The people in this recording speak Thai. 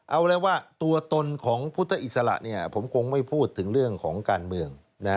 เอาแล้วว่าตัวตนของพุทธอิสระผมคงไม่พูดถึงเรื่องของการเมือง